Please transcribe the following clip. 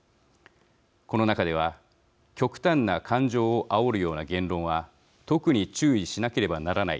この中では極端な感情をあおるような言論は特に注意しなければならない